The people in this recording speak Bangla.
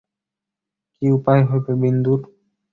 কী উপায় হইবে বিন্দুর?